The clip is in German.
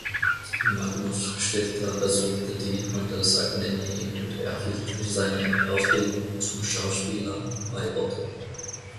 Magnus Stifter besuchte die Handelsakademie und erhielt seine Ausbildung zum Schauspieler bei Otto.